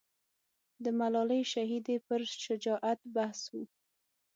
د ملالۍ شهیدې پر شجاعت بحث و.